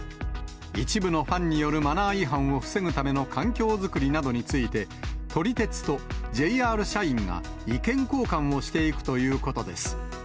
一部のファンによるマナー違反を防ぐための環境作りなどについて、撮り鉄とＪＲ社員が意見交換をしていくということです。